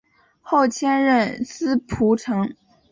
后迁任司仆丞。